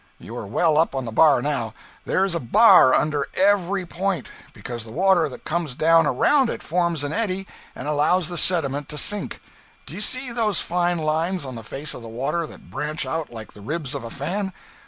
You are well up on the bar, now; there is a bar under every point, because the water that comes down around it forms an eddy and allows the sediment to sink. Do you see those fine lines on the face of the water that branch out like the ribs of a fan.